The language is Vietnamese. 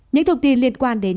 những thông tin liên quan đến